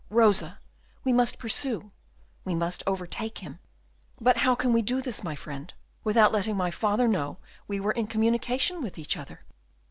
Rosa, we must pursue, we must overtake him!" "But how can we do all this, my friend, without letting my father know we were in communication with each other?